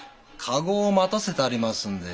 駕籠を待たせてありますんで。